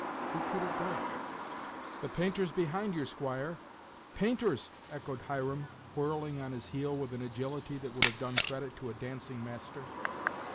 Who could have done it?" "The painters behind you, squire." "Painters!" echoed Hiram, whirling on his heel with an agility that would have done credit to a dancing' master.